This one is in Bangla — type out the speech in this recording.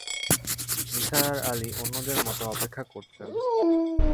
নিসার আলি অন্যদের মতো অপেক্ষা করছেন।